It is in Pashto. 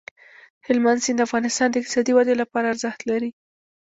هلمند سیند د افغانستان د اقتصادي ودې لپاره ارزښت لري.